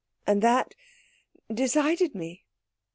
And that decided me."